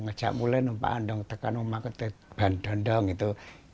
ngejak mulen umpa andong tekan umang ketepan dondong gitu